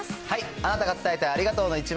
あなたが伝えたいありがとうの１枚。